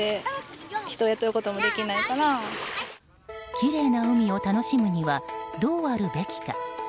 きれいな海を楽しむにはどうあるべきか。